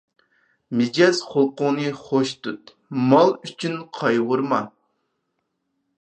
مىجەز خۇلقۇڭنى خوش تۇت، مال ئۈچۈن قايغۇرما.